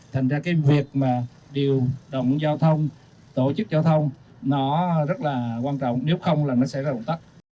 thành ra cái việc mà điều động giao thông tổ chức giao thông nó rất là quan trọng nếu không là nó sẽ ra động tắt